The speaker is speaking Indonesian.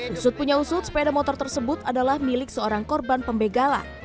usut punya usut sepeda motor tersebut adalah milik seorang korban pembegalan